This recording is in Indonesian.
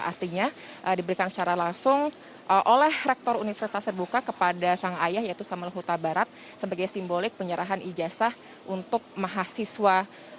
artinya diberikan secara langsung oleh rektor universitas terbuka kepada sang ayah yaitu samuel huta barat sebagai simbolik penyerahan ijazah untuk mahasiswa